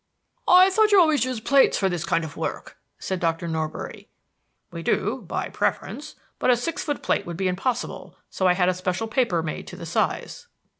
"I thought you always used plates for this kind of work," said Dr. Norbury. "We do, by preference; but a six foot plate would be impossible, so I had a special paper made to the size."